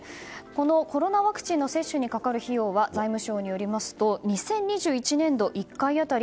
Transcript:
コロナワクチンの接種にかかる費用は財務省によりますと２０２１年度１回当たり